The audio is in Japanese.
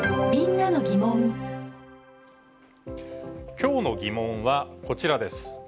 きょうのギモンはこちらです。